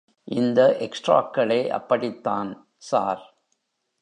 இந்த எக்ஸ்ட்ராக்களே அப்படித்தான், ஸார்.